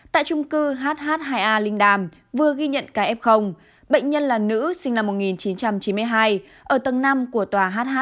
tại trung cư hh hai a linh đàm vừa ghi nhận ca f bệnh nhân là nữ sinh năm một nghìn chín trăm chín mươi hai ở tầng năm của tòa h hai